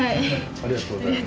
ありがとうございます。